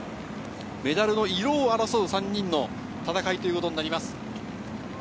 メダルの色を争う３人の戦いとなります。